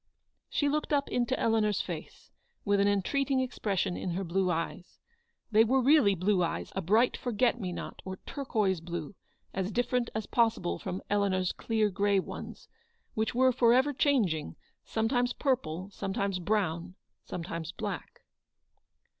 She looked up into Eleanor's face, with an entreating expression in her blue eyes j they were really blue eyes, a bright forget me not, or tur quoise blue, as different as possible from Eleanor's clear gray ones, which were for ever changing, sometimes purple, sometimes brown, sometimes black.